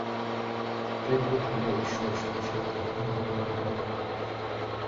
প্রেমরূপ বলিয়া ঈশ্বর স্বতঃসিদ্ধ, অন্যপ্রমাণ-নিরপেক্ষ।